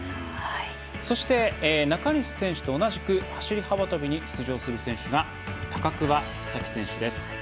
そして中西選手と同じく走り幅跳びに出場する選手が高桑早生選手です。